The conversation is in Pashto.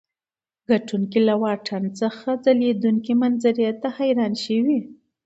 کتونکي له واټن څخه ځلېدونکي منظرې ته حیران شوي.